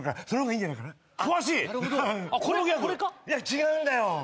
いや違うんだよ。